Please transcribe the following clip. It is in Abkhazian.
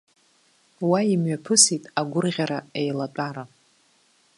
Уа имҩаԥысит агәырӷьара еилатәара.